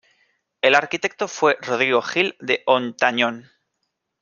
El arquitecto fue Rodrigo Gil de Hontañón.